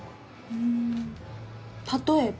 ふん例えば？